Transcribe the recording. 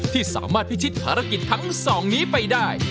ที่สามารถพิชิตภารกิจทั้งสองนี้ไปได้